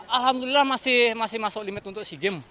alhamdulillah masih masuk limit untuk sea games